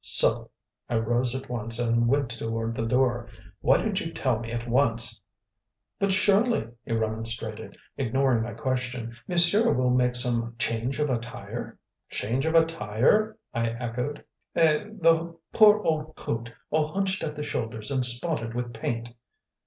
"So!" I rose at once and went toward the door. "Why didn't you tell me at once?" "But surely," he remonstrated, ignoring my question, "monsieur will make some change of attire?" "Change of attire?" I echoed. "Eh, the poor old coat all hunched at the shoulders and spotted with paint!"